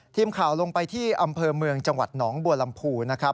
ทีมข่าวลงไปที่อำเภอเมืองจังหวัดหนองบัวลำพูนะครับ